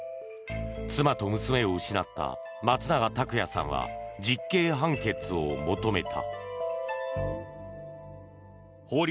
妻と娘を失った松永拓也さんは実刑判決を求めた。